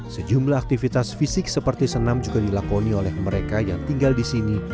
sejumlah aktivitas fisik seperti senam juga dilakoni oleh mereka yang tinggal di sini